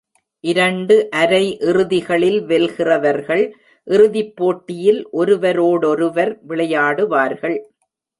இரண்டு அரை இறுதிகளில் வெல்கிறவர்கள் இறுதிப்போட்டியில் ஒருவரோடொருவர் விளையாடுவார்கள்.